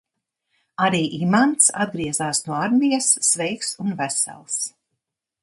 Arī Imants atgriezās no armijas sveiks un vesels.